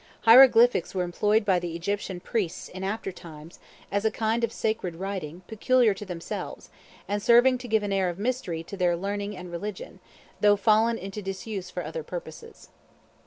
Hieroglyphics were employed by the Egyptian priests in after times, as a kind of sacred writing, peculiar to themselves, and serving to give an air of mystery to their learning and religion, though fallen into disuse for other purposes.